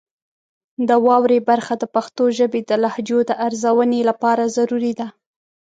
د واورئ برخه د پښتو ژبې د لهجو د ارزونې لپاره ضروري ده.